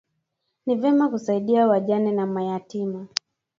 Ni vema kusaidia wajane na mayatima